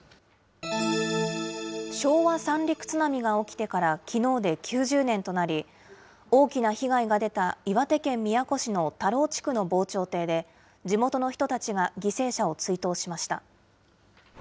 昭和三陸津波が起きてからきのうで９０年となり、大きな被害が出た岩手県宮古市の田老地区の防潮堤で、地元の人たちが犠牲者を追悼しました。